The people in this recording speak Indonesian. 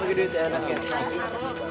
pak ustad baik makasih